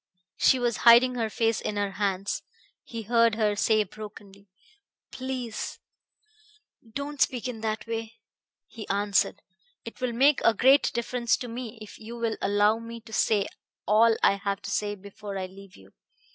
She was hiding her face in her hands. He heard her say brokenly: "Please ... don't speak in that way." He answered: "It will make a great difference to me if you will allow me to say all I have to say before I leave you.